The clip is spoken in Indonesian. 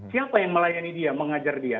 siapa yang melayani dia mengajar dia